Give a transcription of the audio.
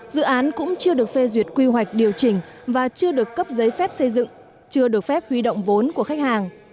dự án cũng chưa được phê duyệt quy hoạch điều chỉnh và chưa được cấp giấy phép xây dựng chưa được phép huy động vốn của khách hàng